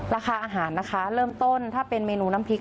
ราคาอาหารนะคะเริ่มต้นถ้าเป็นเมนูน้ำพริก